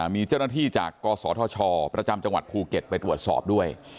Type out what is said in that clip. มีเจ้าหน้าที่จากกศธชประจำจังหวัดภูเก็ตไปตรวจสอบด้วย